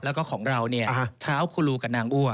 แล้วก็ของเราท้าวคุลูกับนางอุ่ะ